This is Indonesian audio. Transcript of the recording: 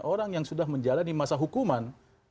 orang yang sudah menjalani masa hukuman